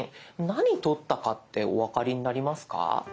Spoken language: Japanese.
何撮ったかってお分かりになりますか？